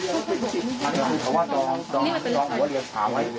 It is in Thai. แต่ถ้าคุณผู้ชมดูมันกินลุกไปแล้ว